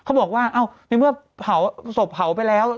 เขาบอกว่าในเมื่อเผาศพเผาไปแล้ว